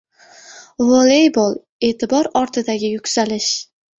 Voleybol: E’tibor ortidagi yuksalish